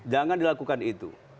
jangan dilakukan itu